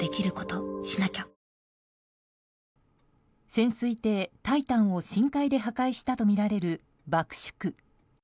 潜水艇「タイタン」を深海で破壊したとみられる爆縮。